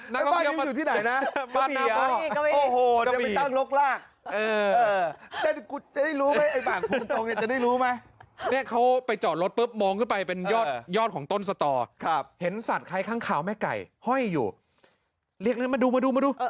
ในบ้านปรุงจงจะได้รู้มั้ยจะได้รู้มั้ยมองขึ้นไปอย่อดของต้นสตอครับเห็นสัตว์ใครข้างคาวอยู่มาดู